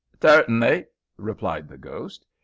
"Certingly," replied the ghost.